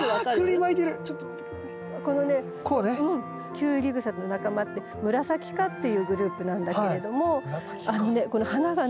キュウリグサの仲間ってムラサキ科っていうグループなんだけれどもあのねこの花がね